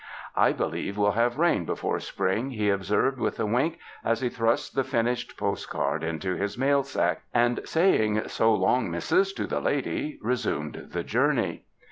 *'I believe we'll have rain before spring," he observed with a wink, as he thrust the finished post card into his mail sack, and saying, "So long, missus," to the lady, resumed the journey.